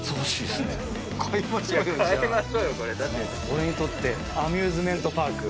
俺にとってアミューズメントパーク。